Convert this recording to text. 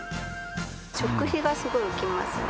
食費がすごい浮きますね。